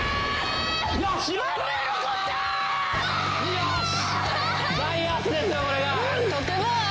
よし！